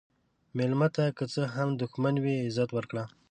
مېلمه ته که څه هم دښمن وي، عزت ورکړه.